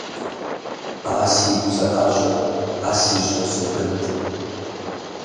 А сигу зыIэжьэ, а си жьэ зубыд.